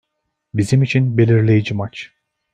Bizim için belirleyici maç.